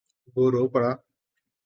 وہ رو پڑا۔